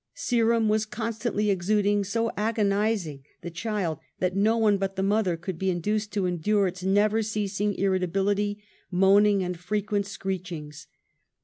Serum ^vas constantly exuding so agonizing the child that / no one but the mother could be induced to endure j its never ceasing irritability, moaning and frequent \screechings.